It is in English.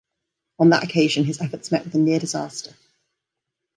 On that occasion his efforts met with a near disaster.